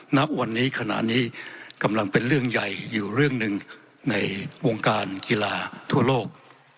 ณวันนี้ขณะนี้กำลังเป็นเรื่องใหญ่อยู่เรื่องหนึ่งในวงการกีฬาทั่วโลก